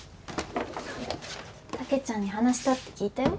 たけちゃんに話したって聞いたよ。